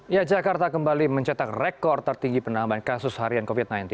ya jakarta kembali mencetak rekor tertinggi penambahan kasus harian covid sembilan belas